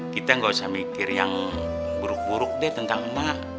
kita gak usah mikir yang buruk buruk deh tentang emak